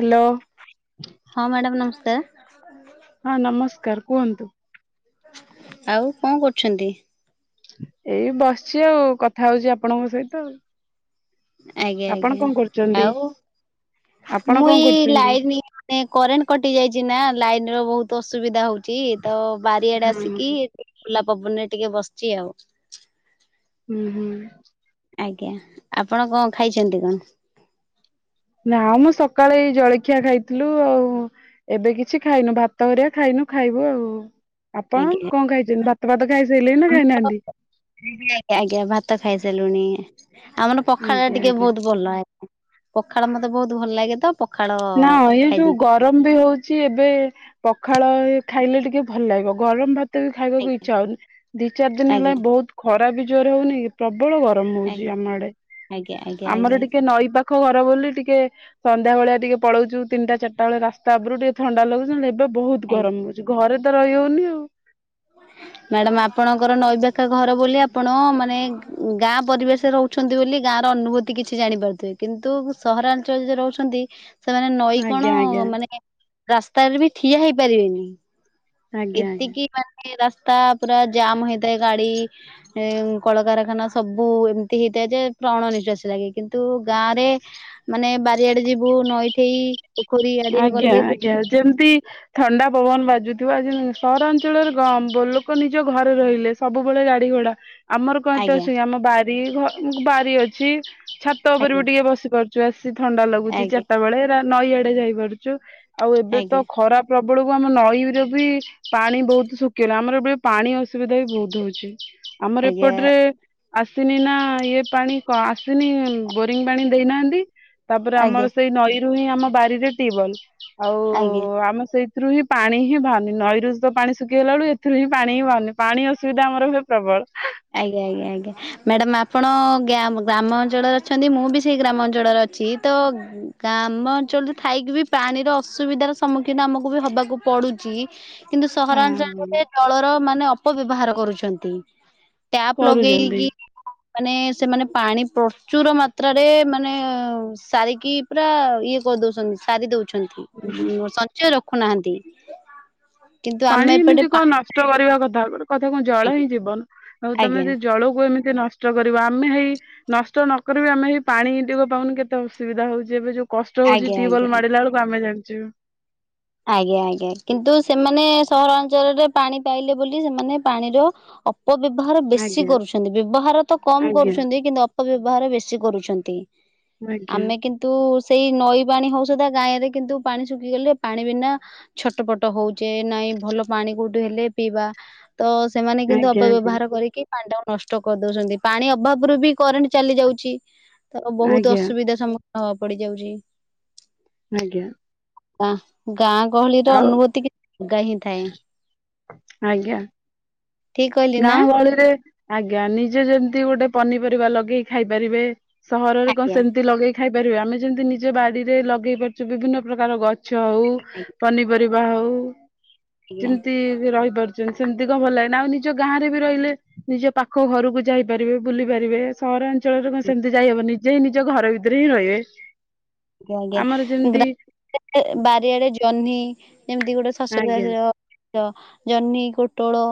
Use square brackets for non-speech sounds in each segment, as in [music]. Hello. ହଁ madam ନମସ୍କାର। [inaudible] ହଁ ନମସ୍କାର କୁହନ୍ତୁ? ଆଉ କଣ କରୁଛନ୍ତି? ଏଇ ବସିଛି ଆଉ କଥା ହଉଛି ଆପଣଙ୍କ ସହିତ ଆଜ୍ଞା ଆପଣ ଆଜ୍ଞା କଣ କରୁଛନ୍ତି ଆଉ ଆପଣ ମୁଁ କଣ ଏଇ କରୁଛନ୍ତି ଲାଇନି ଏଇନେ କରେଣ୍ଟ କଟି ଯାଇଛି ନା ଲାଇନର ବହୁତ ଅସୁବିଧା ହଉଛି ତ ବାରିଆଡେ ହଁ ଆସିକି ଏଠି ଖୋଲା ପବନରେ ଟିକେ ବସିଛି ଆଉ ହୁଁ ହୁଁ। ଆଜ୍ଞା ଆପଣ କଣ ଖାଇଛନ୍ତି କଣ? ନା ମ ସକାଳେ ଏଇ ଜଳଖିଆ ଖାଇଥିଲୁ। ଆଉ ଏବେ କିଛି ଖାଇନୁ। ଭାତ ହେରୀକା ଖାଇନୁ ଖାଇବୁ। ଆଉ ଆପଣ ଆଜ୍ଞା କଣ ଖାଇଛନ୍ତି ଭାତ ଭାତ ଖାଇସାରିଲେଣି ନା ଖାଇନାହାନ୍ତି? ଆଜ୍ଞା ଆଜ୍ଞା ଭାତ ଖାଇସାରିଲୁଣି। ଆମର ପଖାଳ ଆଜ୍ଞା ଟିକେ ଆଜ୍ଞା ବହୁତ ଭଲ ଆଜ୍ଞା। ପଖାଳ ମତେ ବହୁତ ଭଲ ଲାଗେ ତ ପଖାଳ ନା ଏଇ ଯୋଉ ଗ ଖାଇଦେଇଛି ଗରମ ବି ହଉଛି ଏବେ ପଖାଳ ଖାଇଲେ ଟିକେ ଭଲ ଲାଗିବ। ଗରମ ଭାତ ତ ଖାଇବାକୁ ଆଜ୍ଞା ଇଚ୍ଛା ହଉନି। ଦି ଚାରି ଦିନ ଆଜ୍ଞା ହେଲା ବହୁତ ଖରା ବି ଜୋର ହଉନି ପ୍ରବଳ ଗରମ ହଉଛି ଆଜ୍ଞା ଆମ ଆଡେ। ଆଜ୍ଞା ଆଜ୍ଞା ଆମର ଆଜ୍ଞା ଟିକେ ନଈ ପାଖ ଘର ବୋଲି ଟିକେ ସନ୍ଧ୍ୟା ଭଳିଆ ଟିକେ ପଳଉଛୁ ତିନିଟା ଚାରଟା ବେଳେ ରାସ୍ତା ଉପରୁ ଟିକେ ଥଣ୍ଡା ଲାଗୁଛି। ନାଇତ ବହୁତ ଆଜ୍ଞା ଗରମ ହେଉଛି ଘରେ ତ ତ ରହିି ହେଉନି ଆଉ ମ୍ୟାଡାମ ଆପଣଙ୍କର ନଈ ପଠା ଘର ବୋଲି ଆପଣ ମାନେ ଗାଁ ପରିବେଶରେ ରହୁ ଅଛନ୍ତି ବୋଲି ଗାଁ ର ଅନୁଭୂତି କିଛି ଜାଣିପାରୁଥିବେ। କିନ୍ତୁ ସହରାଞ୍ଚଳରେ ରହୁଛନ୍ତି ସେମାନେ ନଈ କଣ ଆଜ୍ଞା ଆଜ୍ଞା ମାନେ ରାସ୍ତାରେ ବି ଠିଆ ହେଇପାରିବେନି। ଆଜ୍ଞା ଆଜ୍ଞା। ଏତିକି ମାନେ ରାସ୍ତା ପୁରା ଜାମ ହେଇଥାଏ ଗାଡି ଏ କଳକାରଖାନା ସବୁ ଏମିତି ହେଇଥାଏ ଯେ ପ୍ରାଣ ନିଶ୍ଵାସୀ ଲାଗେ। କିନ୍ତୁ ଗାଁରେ ମାନେ ବାରିଆଡେ ଯିବୁ ନଈଠେଇ ପୋଖରୀ ଆଡିଆ ଆଜ୍ଞା ଗଲେ ଆଜ୍ଞା ବହୁ ଯେମିତି ଥଣ୍ଡା ପବନ ବାଜୁଥିବ ଆଜି ସହରାଞ୍ଚଳରେ ଲୋକ ନିଜ ଘରେ ରହିଲେ ସବୁବେଳେ ଗାଡି ଘୋଡା। ଆମର କଣ ଆଜ୍ଞା ଏତବେଳସିକି ଆମ ବାରି ବାରି ଅଛି ଛାତ ଉପରେ ବି ଆଜ୍ଞା ଟିକେ ବସି ପାରୁ ବେଶି ଥଣ୍ଡା ଲାଗୁଛି ଆଜ୍ଞା ଚାରିଟା ବେଳେ ନଈଆଡେ ଯାଇପାରୁଛୁ ଆଉ ଏବେ ତ ଆଜ୍ଞା ଖରା ପ୍ରବଳକୁ ଆମ ନଈର ବି ପାଣି ବହୁତ ଶୁଖିଲା। ଆମର ଏବେ ପାଣି ଅସୁବିଧା ବି ବହୁତ ହଉଛି। ଆମର ଆଜ୍ଞା ଏପଟରେ ଆସିନି ନା ଇଏ ପାଣି ଆସିନି ବୋରିଂ ପାଣି ଦେଇନାହାନ୍ତି। ତାପରେ, ଆଜ୍ଞା ଆମର ସେଇ ନଈରୁ ହିଁ ଆମ ବାରିରେ ଟିବଲ। ଆଉ ଆଜ୍ଞା ଆମ ସେଇ ଏଥିରୁ ହିଁ ପାଣିି ହିଁ ବାହାରୁନି। ନଈରୁ ତ ପାଣି ଶୁଖିଗଲା ବେଳକୁ ଏଥିରୁ ପାଣି ହିଁ ବାହାରୁନି। ପାଣି ଅସୁବିଧା ଆମର ପ୍ରବଳ ଆଜ୍ଞା ଆଜ୍ଞାବଆଜ୍ଞା ମ୍ୟାଡାମ ଆପଣ ଗ୍ୟାମ ଗ୍ରାମ ଅଞ୍ଚଳରେ ଅଛନ୍ତି। ମୁଁ ବି ସେଇ ଗ୍ରାମ ଅଞ୍ଚଳରେ ଅ ଛି ତ ଗ୍ରାମ ଅଞ୍ଚଳରେ ଥାଇକି ବି ପାଣିର ଅସୁବିଧାର ସମ୍ମୁଖୀନ ଆମକୁ ବି ହବାକୁ ପଡୁଛି। କିନ୍ତୁ ହଁ ସହରାଞ୍ଚଳରେ ଜଳର ମାନେ ଅପବ୍ୟବହାର କରୁଛନ୍ତି। ଟ୍ୟାପ କରୁଛନ୍ତି ଲଗେଇକି ମାନେ ସେମାନେ ପାଣି ପ୍ରଚୁର ମାତ୍ରାରେ ମାନେ ସାରିକି ପୁରା ଇଏ କରିଦଉଛନ୍ତି ସାରି ଦଉଛନ୍ତି। ହୁଁ। ସଞ୍ଚୟ ରଖୁନାହାନ୍ତି। କିନ୍ତୁ ପାଣି ଆମେ ଏପଟେ ଏମିତି କଣ ପାଣି ନଷ୍ଟ କରିବା କଥା ନୁହଁ ଗୋଟେ କଥା କଣ ଜଳ ଆଜ୍ଞା ହିଁ ଜୀବନ ଆଉ ତମେ ଆଜ୍ଞା ଯଦି ଜଳକୁ ଏମିତି ନଷ୍ଟ ନଷ୍ଟ କରିବା ଆମେ ହେଇ ନଷ୍ଟ ନକରିବି, ଆମେ ହେଇ ପାଣିଟିକୁ ପାଉନୁ କେତେ ଅସୁବିଧା ହଉଛି। ଏବେ ଯୋଉ କଷ୍ଟ ହଉଛି ଆଜ୍ଞା ଆଜ୍ଞା ଟ୍ୟୁବଲ ଆଜ୍ଞା ମାରିଲା ବେଳକୁ ଆମେ ଜାଣିଛୁ। ଆଜ୍ଞା ଆଜ୍ଞା କିନ୍ତୁ ସେମାନେ ସହରାଞ୍ଚଳରେ ପାଣି ପାଇଲେ ବୋଲି ସେମାନେ ପାଣିର ଅପ୍ ଅପବ୍ୟବହାର ବେଶୀ ଆଜ୍ଞା କରୁଛନ୍ତି। ବ୍ୟବହାର ତ କମ ଆଜ୍ଞା କରୁଛନ୍ତି। କିନ୍ତୁ, ଅପବ୍ୟବହାର ବେଶୀ କରୁଛନ୍ତି। ଆଜ୍ଞା ଆମେ କିନ୍ତୁ ସେଇ ନଈ ପାଣି ହଉ ସୁଧା ଗାଁରେ କିନ୍ତୁ ପାଣି ଶୁଖିଗଲେ ପାଣି ବିନା ଛଟପଟ ହଉଛେ। ନାଇଁ ଭଲ ପାଣି କୋଉଠୁ ହେଲେ ପିଇବା। ତ ସେମାନେ କିନ୍ତୁ ଆଜ୍ଞା ଆଜ୍ଞା ଅପବ୍ୟବହାର କରିକି ପାଣିଟାକୁ ନଷ୍ଟ କରି ଦଉଛନ୍ତି। ପାଣି ଅଭାବରୁୁ ବି କରେଣ୍ଟ ଚାଲି ଯାଉଛି। ତ ବହୁତ ଆଜ୍ଞା ଅସୁବିଧା ସମ୍ମୁଖୀନ ହବା ପଡିଯାଉଛି। ଆଜ୍ଞା। ଗାଁ ଗାଁ ଗହଳିର ଆଉ ଅନୁଭୂତି କି ଅଲଗା ହିଁ ଥାଏ। ଆଜ୍ଞା ଠିକ କହିଲି ନା ଗାଁ ଗହଳିରେ ଆଜ୍ଞା ନିଜେ ଯେମିତି ଗୋଟେ ପନିପରିବା ଲଗେଇକି ଖାଇ ପାରିବେ। ସହରରେ କଣ ଆଜ୍ଞା ସେମିତି ଲଗେଇ ଖାଇପାରିବେ। ଆମେ ଯେମିତି ନିଜ ବାଡିରେ ଲଗେଇ ପାରୁଛୁ ବିଭିନ୍ନ ପ୍ରକାର ଗ ଛ ହଉ ଆଜ୍ଞା ପନିପରିବା ହଉ ଆଜ୍ଞା ଯେମିତି ରହିପାରୁ ସେମିତି କଣ ଭଲ ଲାଗେ ଆଉ ନିଜ ଗାଁରେ ବି ରହିଲେ ନିଜ ପାଖ ଘରକୁ ଯାଇପାରିବେ। ବୁଲିପାରିବେ ସହରାଞ୍ଚଳରେ କଣ ସେମିତି ଯାଇହବନି। ଯେ, ନିଜ ଘର ଭିତରେ ହିଁ ରହିବେ। ଆଜ୍ଞା ଆମର ଆଜ୍ଞା ଯେମିତି ଗ୍ରାମ ରେ ବାରିଆଡେ ଜହ୍ନି ଯେମିତି ଗୋଟେ ଶଶୁର ଆଜ୍ଞା ବାରିର। ଜ ଜହ୍ନି, ପୋଟଳ,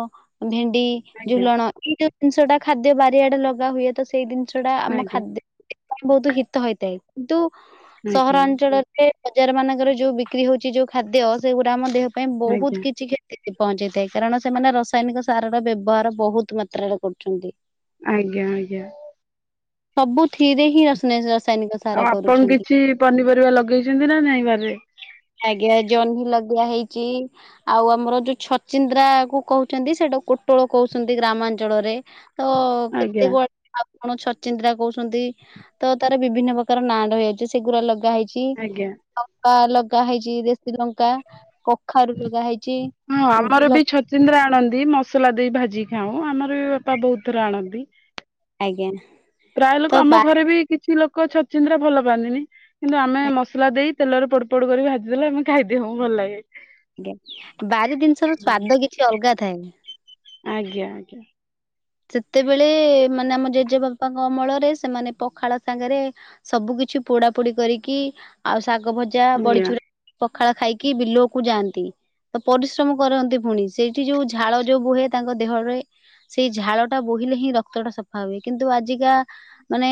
ଭେଣ୍ଡି ଆଜ୍ଞା ଝୁଲଣ ଏଇ ଜିନିଷଟା ଖାଦ୍ୟ ବାରିଆଡେ ଲଗା ହୁଏ ତ ସେଇ ଜିନିଷ ଟା ଆମ ଆଜ୍ଞା ଖାଦ୍ୟ ପାଇଁ ବହୁତ ହିତ ହେଇଥାଏ। କିନ୍ତୁ ଆଜ୍ଞା ସହରାଞ୍ଚଳରେ ସେ ବଜାର ମାନଙ୍କର ଯୋଉ ବିକ୍ରି ହଉଚି ଯୋଉ ଖାଦ୍ୟ, ସେଗୁଡା ଆମ ଦେହ ପାଇଁ ଆଜ୍ଞା ବହୁତ କିଛି କ୍ଷ କ୍ଷତି ପହଞ୍ଚେଇଥାଏ। କାରଣ ସେମାନେ ରସାୟନିକ ସାରର ବ୍ୟବହାର ବହୁତ ମାତ୍ରାରେ କରୁଛନ୍ତି। ଆଜ୍ଞା ଆଜ୍ଞା। ସବୁଥିରେ ହିଁ [unintelligible] ଆଉ ଆପଣ କରୁଛନ୍ତି। କିଛି ପନିପରିବା ଲଗେଇଛନ୍ତି ନା ନାଇଁ ବାରିରେ? ଆଜ୍ଞା ଜହ୍ନି ଲଗିଆ ହେଇଚି ଆଉ ଆମର ଯୋଉ ଛଚିନ୍ଦ୍ରା କୁ କହୁଛନ୍ତି, ସେଇଟା କୋଟଳ କହୁଛନ୍ତି ଗ୍ରାମାଞ୍ଚଳରେ। ତ କେତେ ଆଜ୍ଞା କୁଆଡେ ଆପଣ ଛଚିନ୍ଦ୍ରା କହୁଛନ୍ତି। ତ ତାର ବିଭିନ୍ନ ପ୍ରକାର ନାଁ ରହିଯାଉଚି। ସେଗୁରା ଲଗାହେଇ ଚି। ଆଜ୍ଞା। [unintelligible] ଲଗା ହେଇଚି ଦେ ଲଙ୍କା, କଖାରୁ ଲଗା ହେଇଚି। ହଁ ଆମର ଏମିତି ଲ ବି ଛଚିନ୍ଦ୍ରା ଆଣନ୍ତି ମସଲା ଦେଇ ଭାଜିକି ଖାଉ। ଆମର ବି ବାପା ବହୁତ ଥର ଆଣନ୍ତି। ଆଜ୍ଞା। ପ୍ରାୟ ଲୋକ ତ ଆମ ବାରି ଘରେ ବି କିଛି ଲୋକ ଛଚିନ୍ଦ୍ରା ଭଲ ପାଆନ୍ତିନି। କିନ୍ତୁ ଆମେ ମସଲା ଦେଇ ତେଲରେ ପୋଡ ପୋଡ କରି ଭାଜି ଦେଲେ ଆମେ ଖାଇ ଦେଉ ଭଲ ଲାଗେ। ଆଜ୍ଞା। ବାରି ଜିନିଷର ସ୍ଵାଦ କିଛି ଅଲଗା ଥାଏ। ଆଜ୍ଞା ଆଜ୍ଞା। ସେତେବେଳେ ମାନେ ଆମ ଜେଜେବାପାଙ୍କ ଅମଳ ରେ ସେମାନେ ପଖାଳ ସାଙ୍ଗରେ ସବୁ କିଛି ପୋଡା ପୋଡି କରିକି ଆଉ ଶାଗ ଭଜା ବଡି ଆଜ୍ଞା ଚୁରା ପଖାଳ ଖାଇକି ବିଲ କୁ ଯାଆନ୍ତି। ତ ପରିଶ୍ରମ କରନ୍ତି ପୁଣି। ସେଇଠି ଯୋଉ ଝାଳ ଯୋଉ ବୁହେ ତାଙ୍କ ଦେହରେ ସେଇ ଝାଳ ଟା ବୋହିଲେ ହିଁ ରକ୍ତ ଟା ସଫା ହୁଏ। କିନ୍ତୁ ଆଜିକା ମାନେ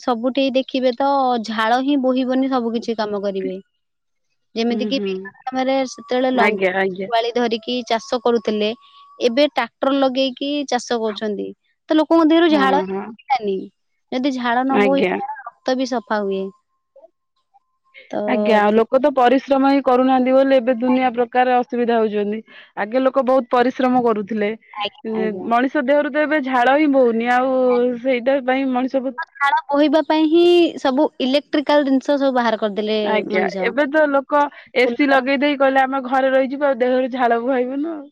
ସବୁଠି ଦେଖିବେ ତ ଝାଳ ହିଁ ବୋହିବନି। ସବୁ କିଛି କାମ କରିବେ। ଯେମିତି ହୁଁ କିି ହୁଁ ବିଲ କାମରେ ସେତେବେଳେ ଆଜ୍ଞା ଲଙ୍ଗଳ ଆଜ୍ଞା। ଜୁଆଳି ଧରିକି ଚାଷ କରୁଥିଲେ। ଏବେ ଟ୍ରାକ୍ଟର ଲଗେଇକି ଚାଷ କରୁଛନ୍ତି। ତ ଲୋକଙ୍କ ଦେହରୁ ହଁ ଝାଳ ହିଁ ହଁ ବୋହିଲାନି। ଯଦି ଝାଳ ନ ଆଜ୍ଞା ବୋହିବ ତ ବି ସଫା ହୁଏ। ତ ଆଜ୍ଞା। ଆଉ ଲୋକ ତ ପରିଶ୍ରମ ହିଁ କରୁନାହାନ୍ତି ବୋଲି ଏବେ ଦୁନିଆ ପ୍ର କାର ଅସୁବିଧା ହଉଛନ୍ତି। ଆଗେ ଲୋକ ବହୁତ ପରିଶ୍ରମ କରୁଥିଲେ। ଆଜ୍ଞା ଆଜ୍ଞା। ମଣିଷ ଦେହରୁ ତ ଏବେ ଝାଳ ହିଁ ବହୁନି। ଆଉ ସେଇଟା ପାଇଁ ମଣିଷ ବହୁତ୍ ଝାଳ ବୋହିବା ପାଇଁ ହିଁ ସବୁ ଇଲେକ୍ଟ୍ରିକ୍ କାଲ୍ ଜିନିଷ ସବୁ ବାହାର କରିଦେଲେ ଆଜ୍ଞା ମଣିଷ। ଏବେ ତ ଲୋକ ଏସିି [unintelligible] ଲଗେଇ ଦେଇେଇ କହିଲେ ଆମ ଘରେ ରହିଯିବୁ ଆଉ ଦେହରୁ ଝାଳ ବୁହାଇବୁନୁ ଆଉ।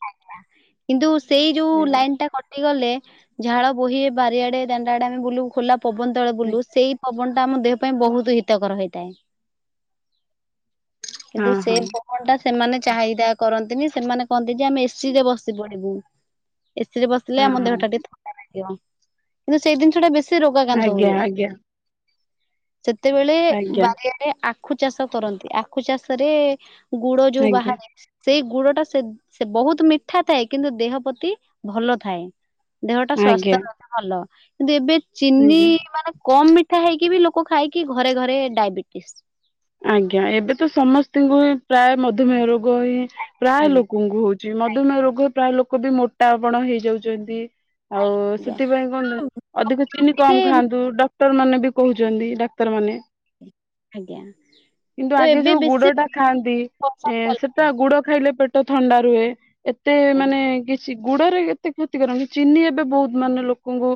କିନ୍ତୁ ସେଇ ଯୋଉ ଆଜ୍ଞା ଲାଇନ୍ ଟା କ ଟିଗଲେ ଝାଳ ବୋହି ବାରିଆଡେ ଦାଣ୍ଡ ଆଡେ ଆମେ ବୁଲୁ ଖୋଲା ପବନ ତଳେ ବୁଲୁ, ଆଜ୍ଞା ସେଇ ପବନ ଟା ଆମ ଦେହ ପାଇଁ ବହୁତ ହିତକର ହେଇଥାଏ। କିନ୍ତୁ ହଁ ହଁ ସେଇ ପବନ ଟା ସେମାନେ ଚାହିଦା କରନ୍ତିନି, ସେମାନେ କହନ୍ତି ଯେ ଆମେ ଏସ୍ ଏସି ରେ ବସି ପଡିବୁ। ଏସିି ରେ ବସିଲେ ହଁ ଆମ ହଁ ଦେହଟା ଟିକେ ଥ କିନ୍ତୁ ସେଇ ଜିନିଷଟା ବେଶୀ ରୋଗାକ୍ରାନ୍ତ ଆଜ୍ଞା ହୁଏ। ଆଜ୍ଞା ସେତେବେଳେ ଆଜ୍ଞା ବାରି ଆଡେ ଆଖୁ ଚାଷ କରନ୍ତି। ଆଖୁ ଚାଷରେ ଗୁଡ ଯୋଉ ଆଜ୍ଞା ବାହାରେ, ସେଇ ଗୁଡ ଟା ସେ ସେ ବହୁତ୍ ମିଠା ଥାଏ। କିନ୍ତୁ ଦେହ ପ୍ରତି ଭଲ ଥାଏ। ଦେହଟା ସ୍ୱାସ୍ଥ୍ୟ ଆଜ୍ଞା ସେଇଟା ଭଲ। କିନ୍ତୁ ଏବେ ଚିନି ଆଜ୍ଞା ମାନେ କମ୍ ମି ଠା ହେଇକି ବି ଲୋକ ଖାଇକି ଘରେ ଘରେ ଡାଇବେଟିସ୍। ଆଜ୍ଞା। ଏବେ ତ ସମସ୍ତିଙ୍କୁ ହିଁ ପ୍ରାୟ ମଧୁମେୟ ରୋଗ ହିଁ ପ୍ରାୟ ଆଜ୍ଞା ଲୋକଙ୍କୁ ହଉ ଚି। ମଧୁମେୟ ରୋଗ ପ୍ରାୟ ଲୋକ ବି ମୋଟା ଆପଣ ହେଇଯାଉଛନ୍ତି। ଆଉ ସେଥିପାଇଁ। [unintelligible] ଅଧିକ ଚିନି ଆଜ୍ଞା କମ୍ ଖାଆନ୍ତୁ। ଡକ୍ଟର ମାନେ ବି କହୁଛନ୍ତି ଡାକ୍ତରମାନେ। ଆଜ୍ଞା। କିନ୍ତୁ ତ ଆଗେ ଏବେ ଯୋଉ ବେଶୀ ଗୁଡ ଟା ଖାଆନ୍ତି ପସନ୍ଦ ଏଁ, କଲେଣି। ସେଟା ଗୁଡ ଖାଇଲେ ପେଟ ଥଣ୍ଡା ରୁହେ। ଏତେ ମାନେ କିଛି ଗୁଡରେ ଏତେ କ୍ଷତି କରେନି, ଚିନି ଏବେ ବହୁତ ମାନେ ଲୋକଙ୍କୁ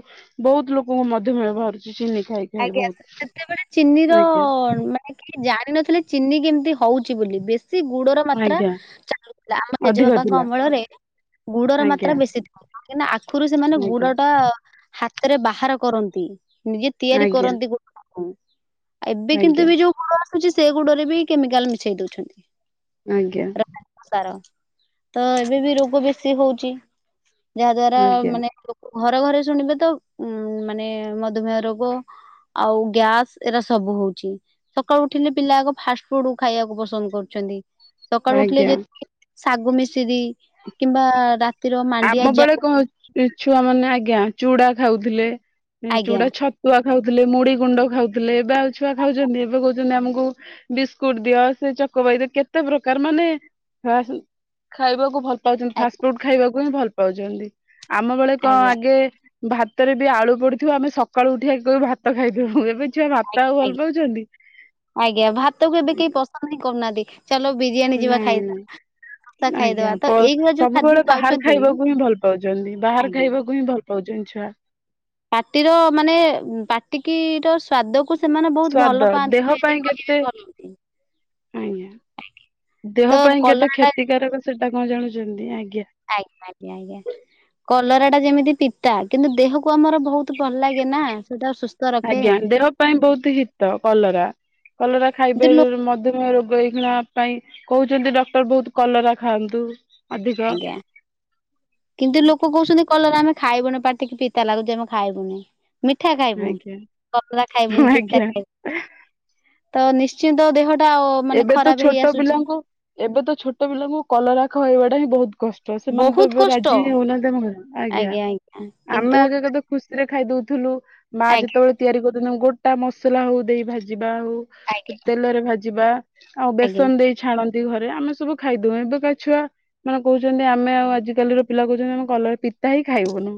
ବହୁତ ଲୋକଙ୍କୁ ମଧୁମେୟ ବାହାରୁଛି ଚିନି ଖାଇ। ଖାଇ ଆଜ୍ଞା ବହୁତ ସେ ସେତେବେଳେ ଚିନିର ଆଜ୍ଞା ମା ନେ କି ଜାଣିିନଥିଲେ ଚିନି କେମିତି ହଉଛି ବୋଲି ବେଶ ଶି ଗୁଡର ମାତ୍ରା ଆଜ୍ଞା ଚାଲୁଥିଲା ଆମ ଅଧିକ ଜେଜେବାପାଙ୍କ ଥିଲା। ଅମଳରେ ଗୁଡର ମାତ୍ରା ଆଜ୍ଞା ବେଶୀ ଥିବ, କାହିଁକି ନା ଆଖୁରୁ ସେମାନେ ଆଜ୍ଞା ଗୁଡ ଟା ହାତରେ ବାହାର କରନ୍ତି, ନିଜେ ତିଆରି ଆଜ୍ଞା କରନ୍ତି ଗୁଡକୁ। ଆଉ ଏବେ କିନ୍ତୁ ଆଜ୍ଞା ବି ଯୋଉ ଗୁଡ ଆସୁଛି ସେ ଗୁଡରେ ବି କେମିକାଲ୍ ମିଶେଇ ଦଉଛନ୍ତି। ଆଜ୍ଞା। ସାର ତ ଏବେ ବି ରୋଗ ବେଶୀ ହଉଚି। ଯାହା ଦ୍ଵାରା ଆଜ୍ଞା ମାନେ ଲୋକ ଘରେ ଘରେ ଶୁଣିବେ ତ ଉଁ, ମାନେ ମଦୁମେହ ରୋ ଗ ଆଉ ଗ୍ୟାସ ଏରା ସବୁ ହଉଛି। ସକାଳୁ ଉଠିଲେ ପିଲା ଆଗ ଫାଷ୍ଟ ଫୁଡୁ ଖାଇବାକୁ ପସନ୍ଦ କରୁଛନ୍ତି। ସକାଳୁ ଉଠିଲେ ଆଜ୍ଞା ଯେ [inaudible] ଶାଗୁମିଶିରି କିମ୍ବା ଡା ଆମ ବେଳେ କଣ ଏ ଛୁଆ ମାନେ ଆଜ୍ଞା, ଚୁଡା ଖାଉଥିଲେ ଏଁ, ଆଜ୍ଞା। ଚୁଡା ଛ ତୁଆ ଖାଉଥିଲେ, ମୁଢି ଗୁଣ୍ଡ ଖାଉଥିଲେ, ଏବେ ଆଉ ଛୁଆ ଖାଉଛନ୍ତି ଏବେ କହୁଛନ୍ତି ଆମକୁ ବିସ୍କୁଟ୍ ଦିଅ ସେ ଚକବାଇ ରେ କେତେ ପ୍ରକାର ମାନେ ଖାସ୍ ଖାଇବାକୁ ଭଲ ପାଉଚନ୍ତି, ଆଜ୍ଞା ଫାଷ୍ଟ ଫୁଡ୍ ଖାଇବାକୁ ହିଁ ଭଲ ପାଉଚନ୍ତି ଆମ ବେଳେ କଣ ଆଜ୍ଞା ଆଗେ ଭାତରେ ବି ଆଳୁ ପଡିଥିବ ଆମେ ସକାଳୁ ଉଠିବା ଆଗେ କହିବୁ ଭାତ ଖାଇଦିଅ, ଏବେ ଛୁଆ ଭାତ ଆଗ ଆଉ ଭଲ ଆଜ୍ଞା, ପାଉଛନ୍ତି। ଆଜ୍ଞା, ଭାତ କୁ ଏବେ କେହି ପସନ୍ଦ ହିଁ କରୁନାହାନ୍ତି। ଚାଲ ବିରିୟାନୀ ଯିବା ନାଇଁ ନାଇଁ ଖାଇବା। ଆଜ୍ଞା ପ- ସବୁବେଳେ ବାହାର ଖାଉଛନ୍ତି ଖାଇବାକୁ ହିଁ ଭଲ ପାଉଚନ୍ତି। ବାହାର ଆଜ୍ଞା। ଖାଇବାକୁ ହିଁ ଭଲ ପାଉଚନ୍ତି ଛୁଆ। ପାଟିର ମାନେ ଉଁ, ପାଟ କିି ର ଦକୁ ସେମାନେ ବହୁତ ଭଲ ସ୍ଵାଦ ପାଆନ୍ତି ଦେହ କହେ ଯେ ପାଇଁ କହିବେ କେତେ ଭଲ ହୁଅନ୍ତି। ଆଜ୍ଞା ତ ଦେହ ପାଇଁ କେତେ କଲରାଟା କ୍ଷତିକାରକ ସେ ସେଟା କଣ ଜାଣୁଚନ୍ତି ଆଜ୍ଞା। ଆଜ୍ଞା, ଆଜ୍ଞା, ଆଜ୍ଞା। କଲରା ଟା ଯେମିତି ପିତା କିନ୍ତୁ ଦେହକୁ ଆମର ବହୁତ ଭଲ ଲାଗେ ନା ସେଟା ସୁସ୍ ଆଜ୍ଞା ଦେହ ପାଇଁ ବହୁତ ହିତ କଲରା। କଲରା ଖାଇବେ କିନ୍ତୁ ଲୋ ମଧୁମେୟ ରୋଗ ଏଇଖିଣା ପାଇଁ କହୁଛନ୍ତି ଡକ୍ଟର୍ ବହୁତ କଲରା ଖାଆନ୍ତୁ। ଅଧିକ। ଆଜ୍ଞା କିନ୍ତୁ ଲୋକ କହୁଛନ୍ତି କଲରା ଆମେ ଖାଇବୁନି ପାାଟିକି ପିତା ଲାଗୁଛି ଆମେ ଖାଇବୁନି। ମିଠା ଖାଇବୁ ଆଜ୍ଞା। କଲରା ଖାଇବୁନି ପିତା ଆଜ୍ଞା ଖାଇବୁ। ତ ନିଶ୍ଚିନ୍ତ ଦେହଟା ଅ ଏବେ ତ ଛୋଟ ପିଲାଙ୍କୁ ଏବେ ତ ଛୋଟ ପିଲାଙ୍କୁ କଲରା ଖୋଇବା ଟା ହିଁ ବହୁତ କଷ୍ ଟ ସେମାନେ ତ ବହୁତ ଏବେ କଷ୍ଟ। ରାଜି ହିଁ ହେଉନାହାନ୍ତି ଆମେ [inaudible] ଆଜ୍ଞା, ଆମେ ଆଗେ କେତେ ଖୁସି ରେ ଖାଇ ଦଉଥିମୁଲୁ, ମା ଆଜ୍ଞା ଯେତେବେଳେ ତିଆରି କରୁଚନ୍ତି ମୁଁ ଗୋଟା ମସଲା ହଉ ଦେଇ ଭାଜିବା ହଉ ଆଜ୍ଞା ତେଲରେ ଭାଜିବା ଆଉ ଆଜ୍ଞା। ବେସନ ଦେଇ ଛାଣନ୍ତି ଘରେ ଆମେ ସବୁ ଖାଇଦଉ, ଏବେକା ଛୁଆ ମାନେ କହୁଛନ୍ତି ଆମେ ଆଉ ଆଜିକାଲିର ପିଲା କହୁଛନ୍ତି ଆମେ କଲରା ପିତା ହିଁ ଖାଇବୁନୁ।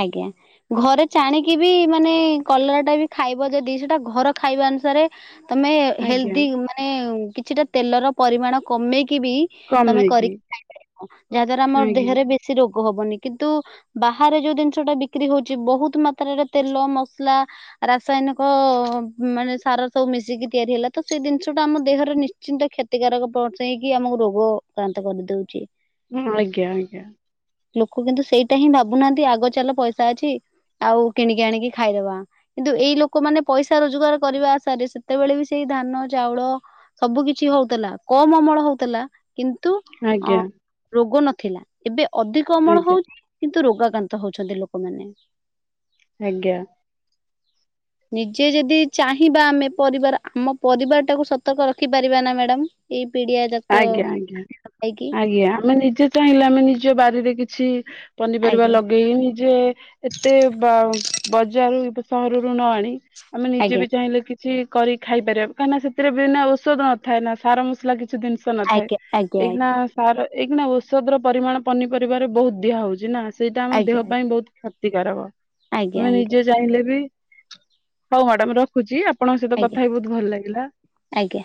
ଆଜ୍ଞା। ଘରେ ଚାଣିକି ବି ମାନେ କଲରା ଟା ବି ଖାଇବ ଯଦି ସେଟା ଘର ଖାଇବା ଅନୁସାରେ ତୋମେ ଆଜ୍ଞା ହେଲଦି ମାନେ କିଛିଟା ତେଲର ପରିମାଣ କମେଇକି ବି ତୋମେ କମେଇକି କରିକି ଖାଇପାରିବ, ଯାହା ଦ୍ୱାରା ଆମ ଦେହ ଆଜ୍ଞା ରେ ବେ ଶୀ ରୋଗ ହବନି କିନ୍ତୁ ବାହାରେ ଯୋଉ ଜିନିଷ ଟା ବିକ୍ରି ହଉଛି ବହୁତ ମାତ୍ରାରେ ତେଲ ମସଲା ରାସାୟନିକ ମାନେ ସାର ସବୁ ମିଶିକି ତିଆରି ହେଲା ତ ସେଇ ଜିନିଷ ଟା ଆମ ଦେହରେ ନି ନିଶ୍ଚିନ୍ତ କ୍ଷତିକାରକ ପହଞ୍ଚାଇକି ଆମକୁ ରୋଗ କ୍ରାନ୍ତ କରିଦଉଚି। ହଁ ଆଜ୍ଞା ଆଜ୍ଞା। ଲୋକ କିନ୍ତୁ ସେଇଟା ହିଁ ଭାବୁନାହାନ୍ତି ଆଗ ଚାଲ ପଇସା ଅଛି। ଆଉ କିଣିକି ଆଣିକି ଖାଇଦବା। କିନ୍ତୁ ଏଇ ଲୋକମାନୋନେ ପଇସା ରୋଜଗାର କରିବା ଆଶାରେ ସେତେବେଳେ ବି ସେଇ ଧାନ ଚାଉଳ ସବୁ କିଛି ହଉଥିଲା କମ୍ ଅମଳ ହଉଥିଲା। କିନ୍ତୁ ଅ ଆଜ୍ଞା ରୋଗ ନଥିଲା ଏବେ ଅଧିକ ଅମଳ ଆଜ୍ଞା ହଉଚି କିନ୍ତୁ ରୋଗାକାନ୍ତ। ହତହଛନ୍ତି ଲୋକମାନେ। ଆଜ୍ଞା। ନିଜେ ଯଦି ଚାହିଁବା ଆମେ ପରିବାର ଆମ ପରିବାର ଟାକୁ ସତର୍କ ରଖିପାରିବା ନା ମ୍ୟାଡ଼ାାମ? ଏଇ ପିଡିଆ ତ୍ ଆଜ୍ଞା ଆଜ୍ଞା ଆଜ୍ଞା ଆମେ ନିଜେ ଚାହିଁଲେ ଆମେ ନିଜ ବାରିରେ କିଛି ପନିପରିବା ଆଜ୍ଞା ଲଗେଇ ନିଜେ ଏତେ ବା ବଜାରରୁ ସହରରୁ ନ ଆଣି ଆମେ ନିଜେ ଆଜ୍ଞା ବି ଚାହିଁଲେ କି କିଛି କରି ଖାଇପାରିବା କାହିଁକନା ସେଥିରେ ବିନା ଔଷଧ ନଥାଏ ନା ସାର ମସଲା କିଛି ଜିନିଷ ନଥାଏ ଆଜ୍ଞା ଆଜ୍ଞା ଆଜ୍ଞା ଏଇକିନା ତା ଆର ଏଇ କି ନା ଔଷଧ ର ପରିମାଣ ପନିପରିବାରେ ବହୁତ ଦିଆ ହଉଛି ନା ସେଇଟା ଆମ ଦେହ ଆଜ୍ଞା ଆଜ୍ଞା ଆଜ୍ଞା ପାଇଁ ବହୁତ କ୍ଷତିକାରକ ଆମେ ଆଜ୍ଞା ନିଜେ ଚାହିଁଲେ ବି ହଉ ମାଡମ ର ରଖୁଛି ଆପଣଙ୍କ ସହିତ ଆଜ୍ଞା କଥା ହ ବହୁତ ଭଲ ଲାଗିଲା। ଆଜ୍ଞା।